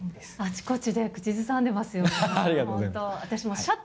あちこちで口ずさんでますよ。